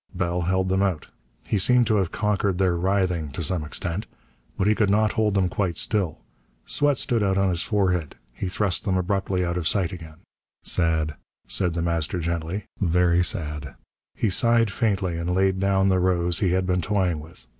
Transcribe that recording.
Bell held them out. He seemed to have conquered their writhing to some extent. But he could not hold them quite still. Sweat stood out on his forehead. He thrust them abruptly out of sight again. "Sad," said The Master gently. "Very sad." He sighed faintly and laid down the rose he had been toying with.